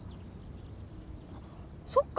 そっか！